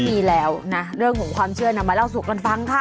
ปีแล้วนะเรื่องของความเชื่อนำมาเล่าสู่กันฟังค่ะ